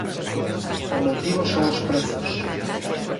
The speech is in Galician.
O motivo son os prezos.